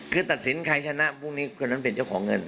คือตัดสินใครชนะพวกนี้คนนั้นเป็นเจ้าของเงิน